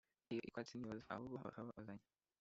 Iyo ikwatse ntibaza..! ahubwo bakabazanya